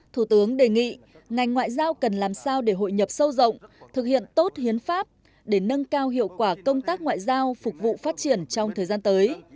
thủ tướng đề nghị ngành ngoại giao cần làm sao để hội nhập sâu rộng thực hiện tốt hiến pháp để nâng cao hiệu quả công tác ngoại giao phục vụ phát triển trong thời gian tới